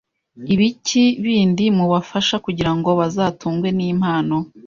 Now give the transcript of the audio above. ibiki bindi mubafasha kugira ngo bazatungwe n’impano